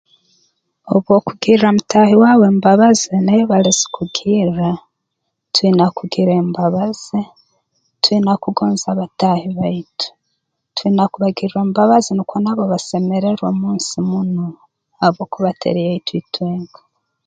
Obu okugirra mutaahi waawe embabazi naiwe balizikugirra twina kugira embabazi twina kugonza bataahi baitu twina kubagirra embabazi nukwo nabo basemererwe mu nsi munu habwokuba teri yaitu itwenka